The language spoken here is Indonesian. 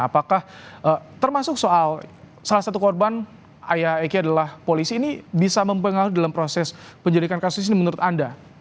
apakah termasuk soal salah satu korban ayah eki adalah polisi ini bisa mempengaruhi dalam proses penyelidikan kasus ini menurut anda